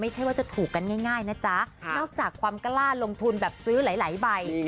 ไม่ใช่ว่าจะถูกกันง่ายนะจ๊ะนอกจากความกล้าลงทุนแบบซื้อหลายใบ